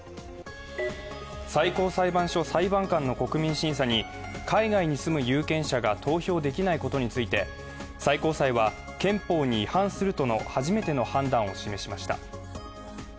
最高裁判所裁判官の国民審査に海外に住む有権者が投票できないことについて最高裁は憲法に違反するとの初めての判断を示しました。